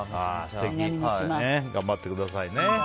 頑張ってくださいね。